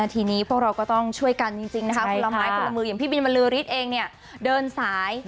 ทีนี้พวกเราก็ต้องช่วยกันจริงนะคะคนละไม้คนละมืออย่างพี่บินบรือฤทธิ์เองเดินสาย